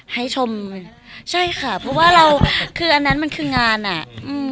ให้ชมใช่ค่ะเพราะว่าเราคืออันนั้นมันคืองานอ่ะอืม